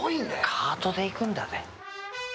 カートで行くんだね。